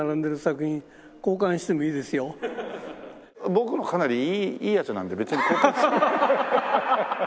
僕のかなりいいやつなんで別に交換。